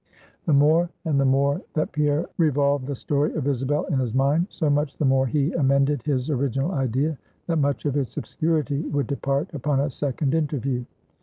The more and the more that Pierre now revolved the story of Isabel in his mind, so much the more he amended his original idea, that much of its obscurity would depart upon a second interview.